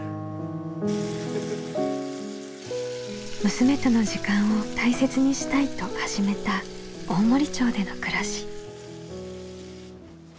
「娘との時間を大切にしたい」と始めた大森町での暮らし。